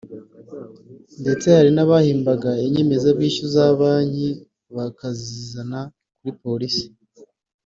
ndetse hari n’abahimbaga inyemezabwishyu za Banki bakazizana kuri Polisi